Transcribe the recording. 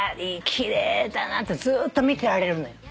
奇麗だなってずっと見てられるのよ。